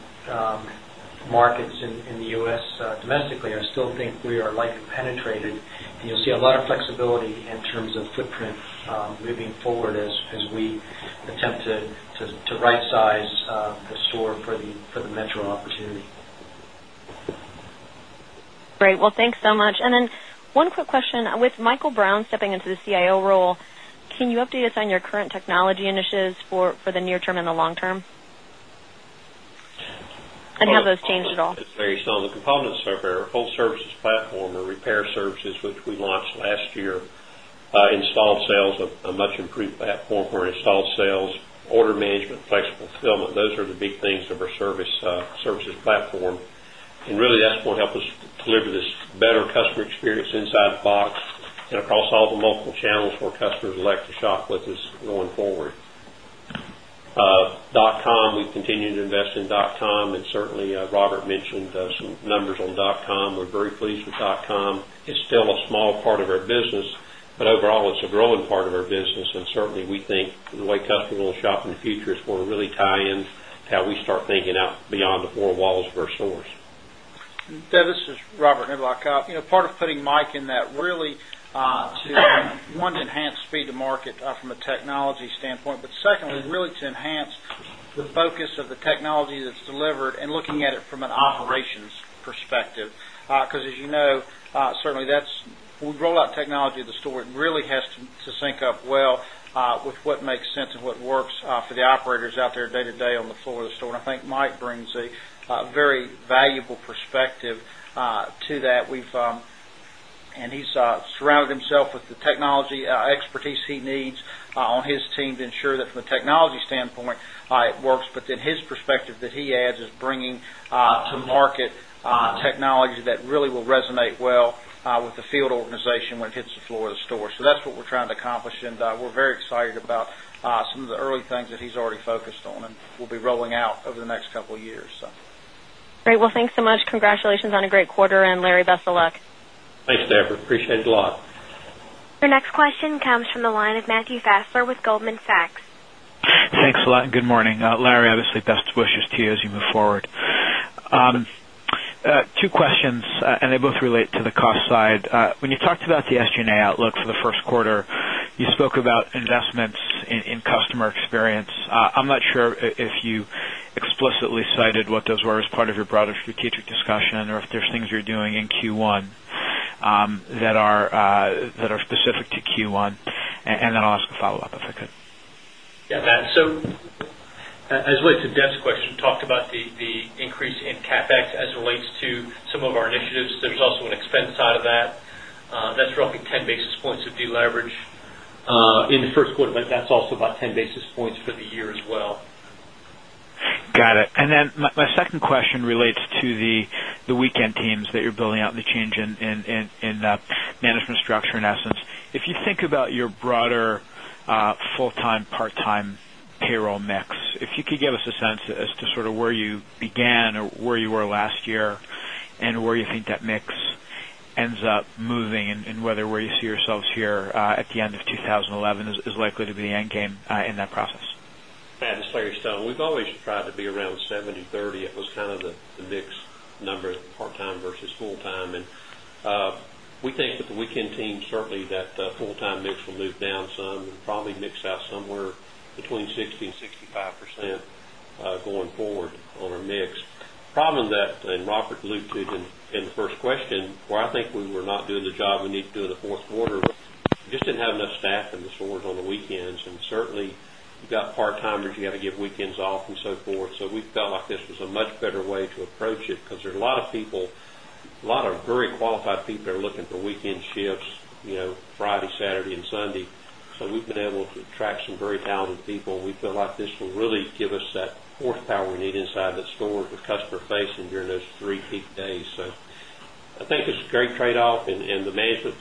markets in the U. S. Domestically, I still think we are likely penetrated and you'll see a lot of flexibility in terms of footprint moving forward as we attempt to right size the store for the Metro opportunity. Great. Well, thanks so much. And then one quick question. With Michael Brown stepping into the CIO role, can you update us on your current technology initiatives for the near term and the long term? And how those changed at all? Based on the components of our whole services platform or repair services, which we launched last year, installed sales of a much improved platform for installed sales, order management, flexible fulfillment, those are the big things of our services platform. And really that's going to help us deliver this better customer experience inside the box and across all the multiple channels where customers like to shop with us going forward. Dotcom, we continue to invest in dotcom and certainly Robert mentioned some numbers on dotcom. We're very pleased with dotcom. It's still a small part of our business, but overall it's a growing part of our business and certainly we think the way customers will shop in the future is going to really tie in how we start thinking out beyond the 4 walls of our stores. Deb, this is Robert Henblak. Part of putting Mike in that really to one to enhance speed to market from a technology standpoint, but secondly, really to enhance the focus of the technology that's delivered and looking at it from an operations perspective. Because as you know, certainly that's when we roll out technology at the store, it really has to sync up well with what makes sense and what works for the operators out there day to day on the floor of the store. And I think Mike brings a very valuable perspective to that. And he's surrounded himself with the technology expertise he needs on his team to ensure that from a technology standpoint, it works. But then his perspective that he adds is bringing to market technology that really will resonate well with the field organization when it hits the floor of the store. So that's what we're trying to accomplish and we're very excited about some of the early things that he's already focused on and we'll be rolling out over the next couple of years. Great. Well, thanks so much. Congratulations on a great quarter and Larry, best of luck. Thanks, Deborah. Appreciate it a lot. Your next question comes from the line of Matthew Fassler with Goldman Sachs. Thanks a lot. Good morning. Larry, obviously best wishes to you as you move forward. Two questions and they both relate to the cost side. When you talked about the SG and A outlook for the Q1, you spoke about investments in customer experience. I'm not sure if you explicitly cited what those were as part of your broader strategic discussion or if there's things you're doing in Q1 that are specific to Q1? And then I'll ask a follow-up, if I could. Yes, Matt. So, as it relates to Deb's question, you talked about the increase in CapEx as it relates to some of our initiatives. There's also an expense side of that. That's roughly 10 basis points of deleverage in the Q1, but that's also about 10 basis points for the year as well. It. And then my second question relates to the weekend teams that you're building out and the change in management structure in essence. If you think about your broader full time, part time payroll mix, if you could give us a sense as to sort of where you began or where you were last year and where you think that mix ends up moving and whether where you see yourselves here at the end of 2011 is likely to be the end game in that process? It's Larry Stone. We've always tried to be around seventythirty. It was kind of the mix number part time versus full time. And we think that we can team certainly that full time mix will move down some and probably mix out somewhere between 60% 65% going forward on our mix. Problem that and Robert alluded in the first question, where I think we were not doing the job we need to do in the Q4, we just didn't have enough staff in the stores on the weekends. And certainly, you've part timers, you got to get weekends off and so forth. So we felt like this was a much better way to approach it because there are a lot of people, a lot of very qualified people are looking for weekend shifts, Friday, Saturday Sunday. So we've been able to attract some very talented people. We feel like this will really give us that horsepower we need inside the store with customer facing during those 3 peak days. So I think it's a great trade off and the management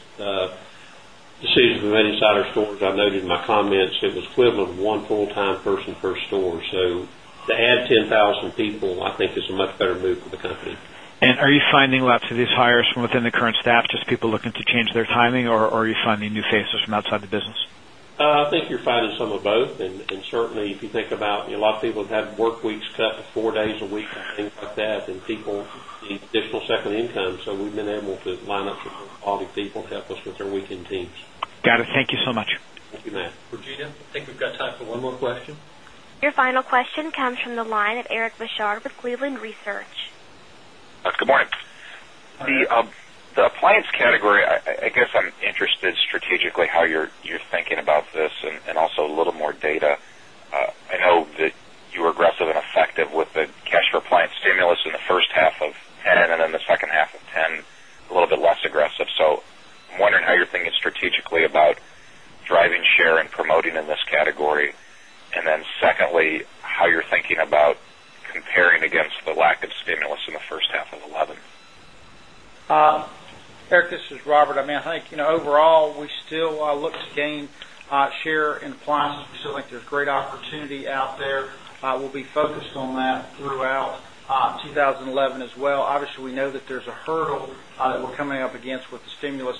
decisions we made inside our stores, I noted in my comments, it was equivalent of 1 full time person per store. So to add 10,000 people, I think is a much better move for the company. And are you finding lots of these hires from within the current staff, just people looking to change their timing or are you finding new faces from outside the business? I think you're finding some of both. And certainly, if you think about a lot of people have had work weeks cut 4 days a week and things like that and people need additional second income. So we've been able to line up with all the people, help us with their weekend teams. Got it. Thank you so much. Thank you, Matt. Regina, I think we've got time for one more question. Your final question comes from the line of Eric Bouchard with Cleveland Research. Good morning. The appliance category, I guess I'm interested strategically how you're thinking about this and also a little more data. I know that you were aggressive and effective with the cash for appliance stimulus in the first half of 'ten and then the second half of 'ten a little bit less aggressive. So I'm wondering how you're thinking strategically about driving share and promoting in this category. This is Robert. I mean, I think overall, we still look to gain share in appliances. We still think there's great opportunity out there. We'll be focused on that throughout 2011 as well. Obviously, we know that there is a hurdle that we're coming up against with the stimulus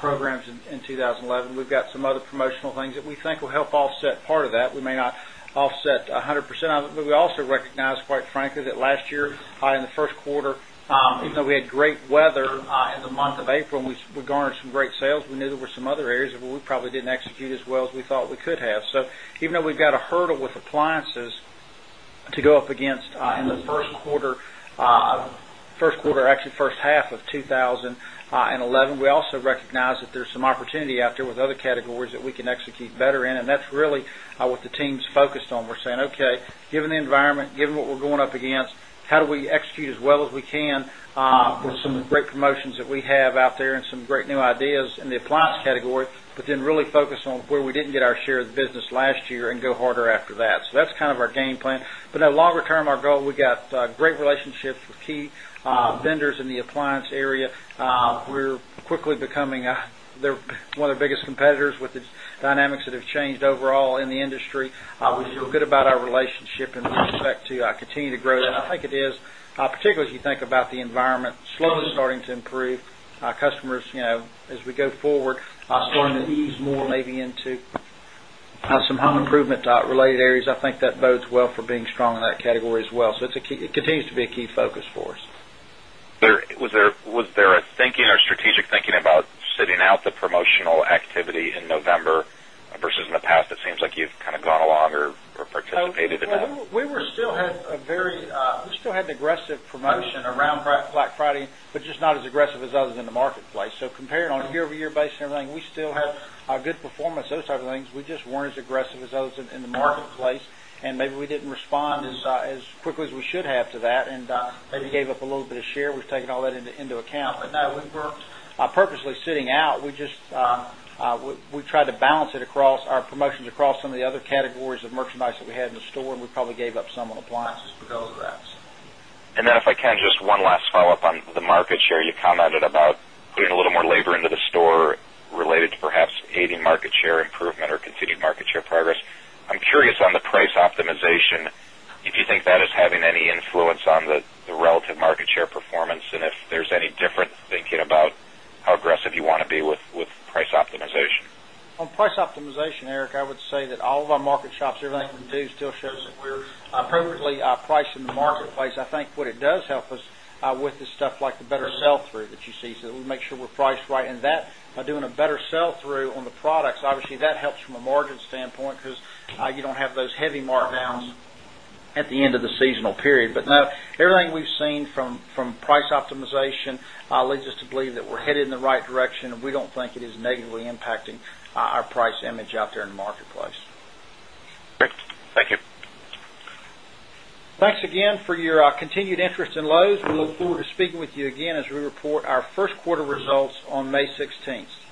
programs in 2011. We've got some other promotional things that we think will help offset part of that. We may not offset 100%, but we also recognize quite frankly that last year high in the Q1, even though we had great weather in the month of April and we garnered some great sales, we knew there were some other areas where we probably didn't execute as well as we thought we could have. So even though we've got a hurdle with appliances to go up against in the first quarter, actually first half of twenty eleven. We also recognize that there's some opportunity out there with other categories that we can execute better in and that's really what the team is focused on. We're saying, okay, given the environment, given what we're going up against, how do we execute as well as we can with some of the great promotions that we have out there and some great new ideas in the appliance category, but then really focus on where we didn't get our share of the business last year and go harder after that. So that's kind of our game plan. But longer term, our goal, we got great relationships with key vendors in the appliance area. We're quickly becoming one of the biggest competitors with the dynamics that have changed overall in the industry. We feel good about our relationship and respect to continue to grow that. I think it is, particularly as you think about the environment slowly starting to improve, customers as we go forward are starting to ease more maybe into some home improvement related areas. I think that bodes well for being strong in that category as well. So, it's a key it continues to be a key focus for us. Was there a thinking or strategic thinking about sitting out the promotional activity in November versus in the past? It seems like you've kind of gone along or participated in that? We were still had a very we still had an aggressive promotion around Black Friday, but just not as aggressive as others in the marketplace. So comparing on a year over year basis and everything, we still had a good performance, those type of things. We just weren't as aggressive as others in the marketplace. And maybe we didn't respond as quickly as we should have to that. And and maybe we didn't respond as quickly as we should have to that and maybe gave up a little bit of share. We've taken all that into account. But now we're purposely sitting out. We just we tried to balance it across our promotions across some of the other categories of merchandise that we had in the store and we probably gave up some on appliances because of that. And then if I can just one last follow-up on the market share, you commented about putting a little more labor into the store related to perhaps 80 market share improvement or continued market share progress. I'm curious on the price optimization, if you think that is having any influence on the relative market share performance and if there's any different thinking about how aggressive you want to be with price optimization? On price optimization, Eric, I would say that all of our market shops, everything we do still shows that we're appropriately priced in the marketplace. I think what it does help us with the stuff like the better sell through that you see. So we make sure we're priced right. And that by doing a better sell through on the products, obviously, that helps from a margin standpoint because you don't have those heavy markdowns at the end of the seasonal period. But now everything we've seen from price optimization leads us to believe that we're headed in the right direction and we don't think it is negatively impacting our price image out there in the marketplace. Thanks again for your continued interest in Loews. We look forward to speaking with you again as we report our Q1 results on May 16.